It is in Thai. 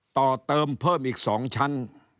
ต่อเติมเพิ่มอีก๒ชั้น